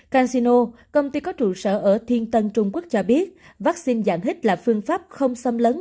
casino công ty có trụ sở ở thiên tân trung quốc cho biết vaccine dạng hít là phương pháp không xâm lấn